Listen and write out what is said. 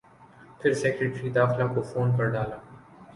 پھر سیکرٹری داخلہ کو فون کر ڈالا۔